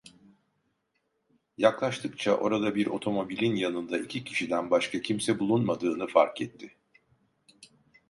Yaklaştıkça orada bir otomobilin yanında iki kişiden başka kimse bulunmadığını fark etti.